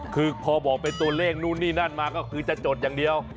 คือพอบอกเป็นตัวเลขนู่นนี่นั่นมาก็คือจะจดอย่างเดียว